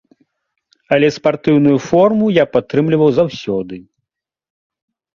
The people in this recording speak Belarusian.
Але спартыўную форму я падтрымліваў заўсёды.